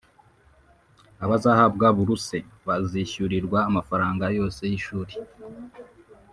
Abazahabwa buruse bazishyurirwa amafaranga yose y’ishuri